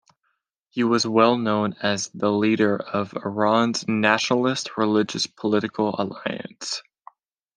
He was well known as the leader of the Iran's Nationalist-Religious political alliance.